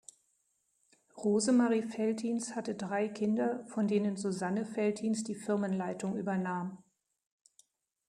Rosemarie Veltins hatte drei Kinder, von denen Susanne Veltins die Firmenleitung übernahm.